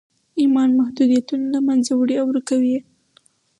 ایمان محدودیتونه له منځه وړي او ورکوي یې